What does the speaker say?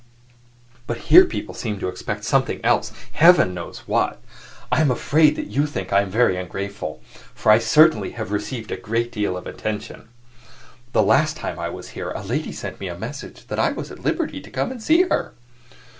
But here people seem to expect something else Heaven knows what! I am afraid you will think I am very ungrateful, for I certainly have received a great deal of attention. The last time I was here, a lady sent me a message that I was at liberty to come and see her."